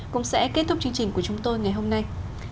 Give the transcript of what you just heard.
cũng sẽ kết thúc chương trình của chúng tôi ngày hôm nay